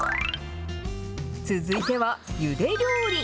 続いては、ゆで料理。